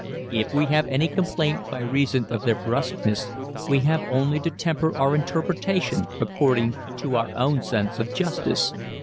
If we have any complaint by reason of their brusqueness we have only to temper our interpretation according to our own sense of justice.